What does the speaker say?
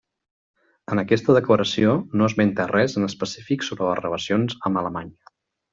En aquesta declaració no esmenta res en específic sobre les relacions amb Alemanya.